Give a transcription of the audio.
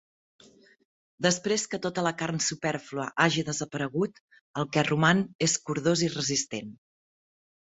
Després que tota la carn supèrflua hagi desaparegut, el que roman és cordós i resistent.